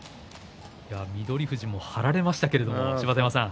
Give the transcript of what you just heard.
翠富士も張られましたけれども芝田山さん。